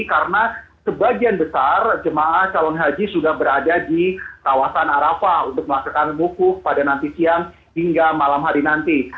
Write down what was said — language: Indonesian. karena sebagian besar jemaah calon haji sudah berada di kawasan arapah untuk melakukan buku pada nanti siang hingga malam hari nanti